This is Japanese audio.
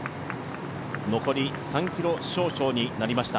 残り３ｋｍ少々になりました。